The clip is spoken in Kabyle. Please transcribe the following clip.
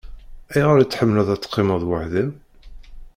Ayɣer i tḥemmleḍ ad teqqimeḍ weḥd-m?